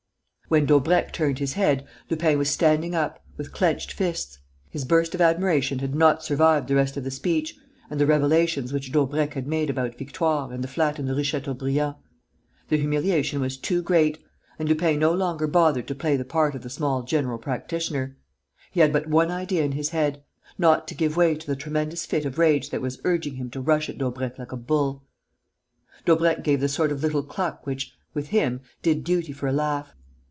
When Daubrecq turned his head, Lupin was standing up, with clenched fists. His burst of admiration had not survived the rest of the speech and the revelations which Daubrecq had made about Victoire and the flat in the Rue Chateaubriand. The humiliation was too great; and Lupin no longer bothered to play the part of the small general practitioner. He had but one idea in his head: not to give way to the tremendous fit of rage that was urging him to rush at Daubrecq like a bull. Daubrecq gave the sort of little cluck which, with him, did duty for a laugh.